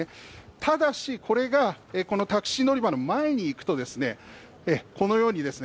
ただしこれがこのタクシー乗り場の前にいくとこのようにですね